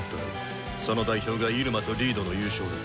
その代表がイルマとリードの優勝だ。